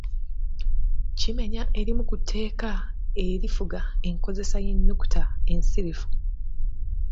Kimenya erimu ku tteeka erifuga enkozesa y’ennukuta ensirifu.